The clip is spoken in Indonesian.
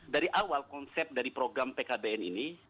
dari awal konsep dari program pkbn ini